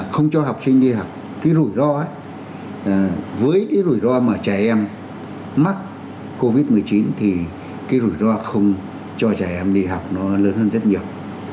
không cho học sinh đi học cái rủi ro ấy với cái rủi ro mà trẻ em mắc covid một mươi chín thì cái rủi ro không cho trẻ em đi học nó lớn hơn rất nhiều